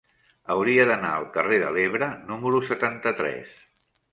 Hauria d'anar al carrer de l'Ebre número setanta-tres.